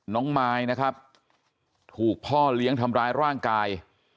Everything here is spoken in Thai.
มายนะครับถูกพ่อเลี้ยงทำร้ายร่างกาย